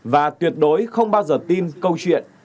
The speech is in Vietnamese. và tuyệt đối không bao giờ tin câu chuyện